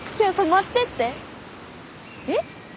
えっ？